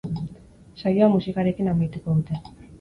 Saioa musikarekin amaituko dute.